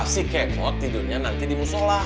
si k mod tidurnya nanti di musola